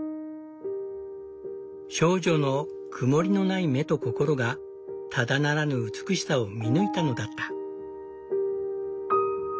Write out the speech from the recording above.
少女の曇りのない目と心がただならぬ美しさを見抜いたのだった。